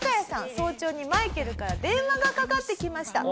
早朝にマイケルから電話がかかってきました。